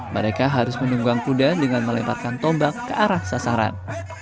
mereka harus menunggang kuda dengan melemparkan tombak ke arah sasaran